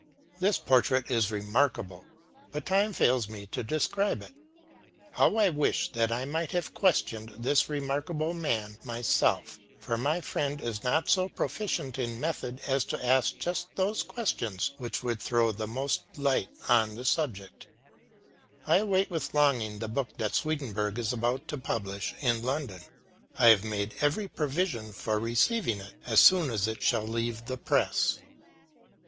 This portrait is remarkable, but time fails me to describe it. How I wish that I might have questioned this remarkable man myself, for my friend is not so proficient in method as to ask just those questions which would throw the most light on the subject. I await with longing the book that Swedenborg is about to publish in London. I have made every provision for receiving it as soon as it shall leave the press.